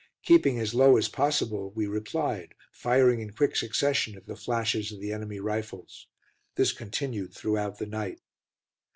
Keeping as low as possible, we replied, firing in quick succession at the flashes of the enemy rifles. This continued throughout the night.